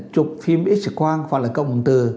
chụp phim x quang hoặc là cộng bằng từ